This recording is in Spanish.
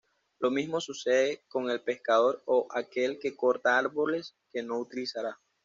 Lo mismo sucede con el pescador, o aquel que corta árboles que no utilizará.